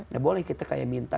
nah boleh kita kayak minta